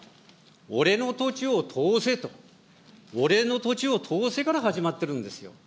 俺の土地を通せと、俺の土地を通せから始まってるんですよ。